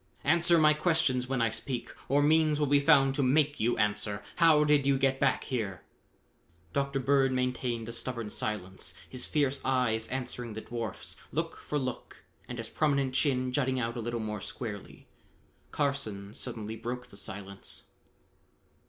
"Answer my questions when I speak, or means will be found to make you answer. How did you get back here?" Dr. Bird maintained a stubborn silence, his fierce eyes answering the dwarf's, look for look, and his prominent chin jutting out a little more squarely. Carson suddenly broke the silence.